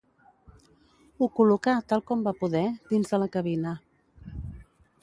Ho col·locà, tal com va poder, dins de la cabina.